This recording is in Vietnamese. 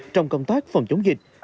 trong công tác phòng chống dịch